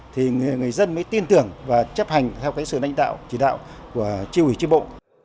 thì người dân mới tin tưởng và chấp hành theo cái sự nánh đạo chỉ đạo của tri ủy tri bộ